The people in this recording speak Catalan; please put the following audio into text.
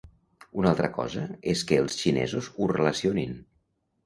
Una altra cosa és que els xinesos ho relacionin.